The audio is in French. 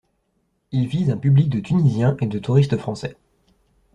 Il vise un public de Tunisiens et de touristes français.